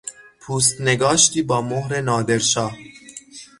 پوست نگاشتی با مهر نادرشاه